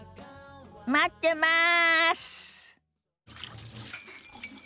待ってます！